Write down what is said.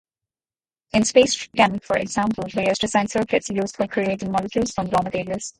In "SpaceChem", for example, players design circuits used for creating molecules from raw materials.